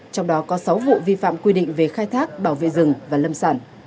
trong đó có sáu vụ vi phạm quy định về khai thác bảo vệ rừng và lâm sản